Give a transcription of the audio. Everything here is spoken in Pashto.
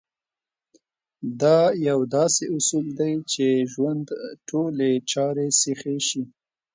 دا يو داسې اصول دی چې ژوند ټولې چارې سيخې شي.